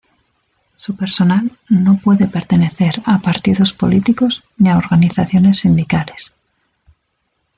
Su personal no puede pertenecer a Partidos Políticos ni a organizaciones sindicales.